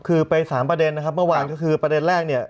คือไปสามประเด็นนะครับเมื่อวานก็คือประเด็นแรกเนี่ย